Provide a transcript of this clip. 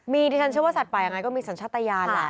มีดิฉันเชื่อว่าสัตว์ป่ายังไงก็มีสัญชาติยานแหละ